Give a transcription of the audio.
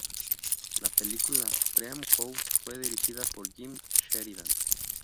La película Dream House fue dirigida por Jim Sheridan.